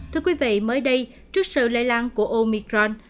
thưa quý vị mới đây trước sự lây lan của omicron